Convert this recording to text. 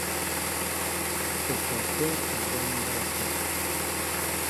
Ú kɔ shwéŋ a jám mbɔ́ɔ́tə̂.